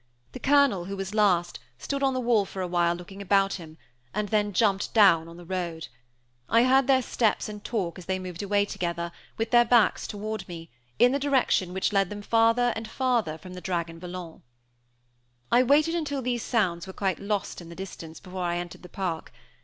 The Colonel, who was last, stood on the wall for awhile, looking about him, and then jumped down on the road. I heard their steps and talk as they moved away together, with their backs toward me, in the direction which led them farther and farther from the Dragon Volant. I waited until these sounds were quite lost in distance before I entered the park.